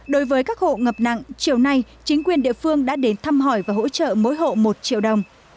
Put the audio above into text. đối với các hộ ngập nặng chiều nay chính quyền địa phương đã đến thăm hỏi và hỗ trợ mỗi hộ một triệu đồng